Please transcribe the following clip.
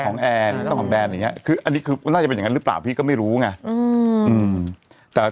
เจ้าของแอร์อย่างนี้คืออันนี้คือน่าจะเป็นอย่างนั้นหรือเปล่าพี่ก็ไม่รู้ไง